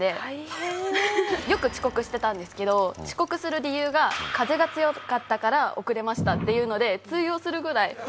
よく遅刻してたんですけど遅刻する理由が風が強かったから遅れましたっていうので通用するくらい。